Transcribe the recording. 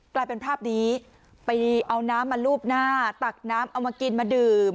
กลายเป็นภาพนี้ไปเอาน้ำมาลูบหน้าตักน้ำเอามากินมาดื่ม